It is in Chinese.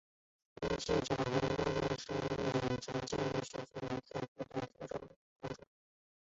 引江济太工程是引长江水进入太湖的调水工程。